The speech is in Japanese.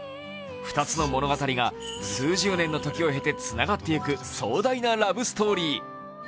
２つの物語が数十年の時を経てつながっていく壮大なラブストーリー。